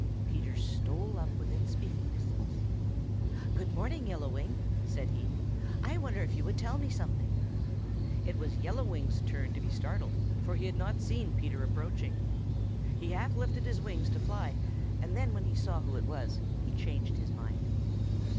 Peter stole up within speaking distance. "Good morning, Yellow Wing," said he. "I wonder if you will tell me something." It was Yellow Wing's turn to be startled, for he had not seen Peter approaching. He half lifted his wings to fly, but when he saw who it was, he changed his mind.